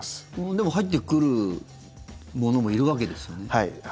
でも入ってくる者もいるわけですよね。